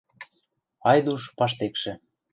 Айдуш паштекшӹ.